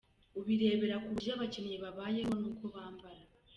Ubirebera ku buryo abakinnyi babayeho n’uko bambara.